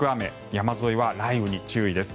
山沿いは雷雨に注意です。